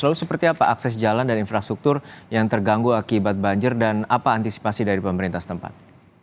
lalu seperti apa akses jalan dan infrastruktur yang terganggu akibat banjir dan apa antisipasi dari pemerintah setempat